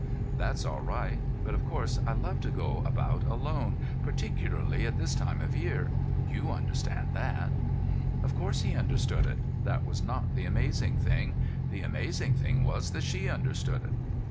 "That's all right. But, of course, I love to go about alone, particularly at this time of year. You understand that." Of course he understood it. That was not the amazing thing. The amazing thing was that she understood it.